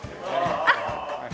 あっ。